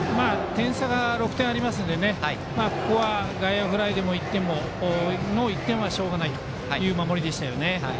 点差が６点ありましたのでここは、外野フライでの１点はしょうがないという守りでしたよね。